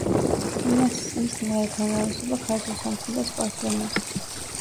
მის სიმღერათა უმრავლესობა ქართულ, სომხურ და სპარსულ ენებზეა.